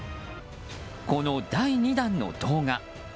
この第２弾の動画。